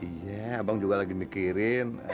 iya abang juga lagi mikirin